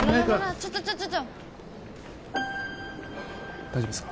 ちょっちょっ大丈夫ですか？